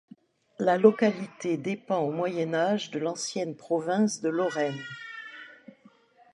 La localité dépend au Moyen Âge de l'ancienne province de Lorraine.